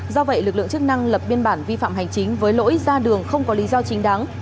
do vậy lực lượng chức năng lập biên bản vi phạm hành chính với lỗi ra đường không có lý do chính đáng